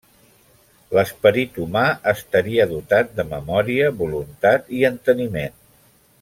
L'esperit humà estaria dotat de memòria, voluntat i enteniment.